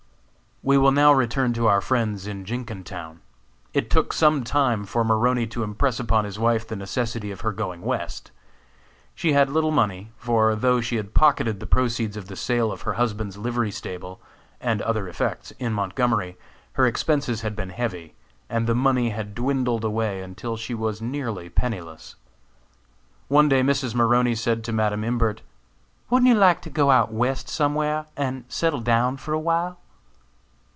We will now return to our friends in Jenkintown. It took some time for Maroney to impress upon his wife the necessity of her going West. She had little money, for though she had pocketed the proceeds of the sale of her husband's livery stable, and other effects, in Montgomery, her expenses had been heavy, and the money had dwindled away until she was nearly penniless. One day Mrs. Maroney said to Madam Imbert: "Wouldn't you like to go out west somewhere and settle down for a while?"